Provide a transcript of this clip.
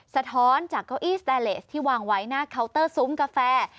สะท้อนจากเก้าอี้สแตนเลสที่วางไว้หน้าเคาน์เตอร์ซุ้มกาแฟ